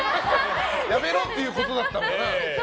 やめろっていうことだったのかな。